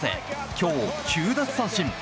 今日、９奪三振。